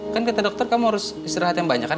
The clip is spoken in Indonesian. kan kata dokter kamu harus istirahat yang banyak kan